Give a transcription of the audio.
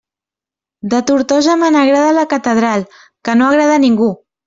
De Tortosa me n'agrada la catedral, que no agrada a ningú!